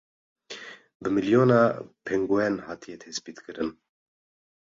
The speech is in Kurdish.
Bi milyona pengûen hatiye tespîtkirin.